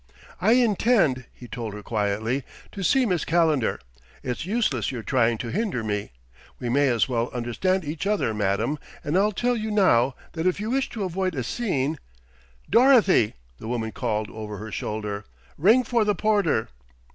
"I intend," he told her quietly, "to see Miss Calendar. It's useless your trying to hinder me. We may as well understand each other, Madam, and I'll tell you now that if you wish to avoid a scene " "Dorothy!" the woman called over her shoulder; "ring for the porter."